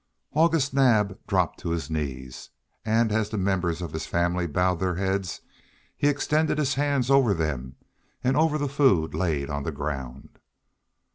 August Naab dropped to his knees, and, as the members of his family bowed their heads, he extended his hands over them and over the food laid on the ground.